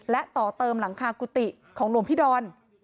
และต่อเติมหลังคากุฏิของหลวงพี่ดอน